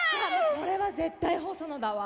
これは絶対ホソノだわ。